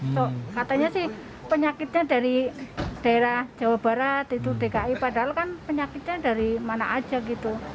so katanya sih penyakitnya dari daerah jawa barat itu dki padahal kan penyakitnya dari mana aja gitu